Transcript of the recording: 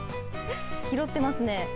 拾ってますね。